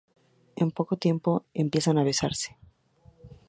En poco tiempo empiezan a besarse.